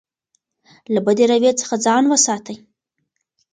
له بدې رویې څخه ځان وساتئ.